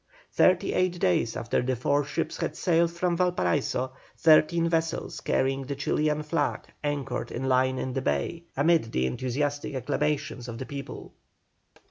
Thirty eight days after the four ships had sailed from Valparaiso, thirteen vessels carrying the Chilian flag anchored in line in the bay, amid the enthusiastic acclamations of the people.